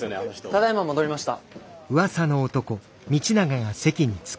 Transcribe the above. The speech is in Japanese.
ただいま戻りました。